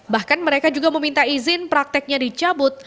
bahkan mereka juga meminta izin prakteknya dicabut